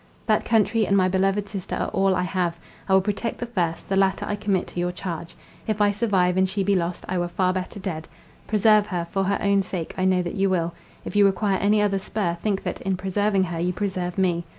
"That country and my beloved sister are all I have. I will protect the first—the latter I commit to your charge. If I survive, and she be lost, I were far better dead. Preserve her—for her own sake I know that you will—if you require any other spur, think that, in preserving her, you preserve me.